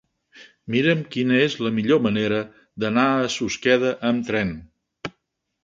Mira'm quina és la millor manera d'anar a Susqueda amb tren.